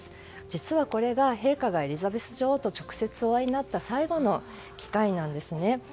実は、これが陛下がエリザベス女王と直接お会いになった最後の機会なんですね。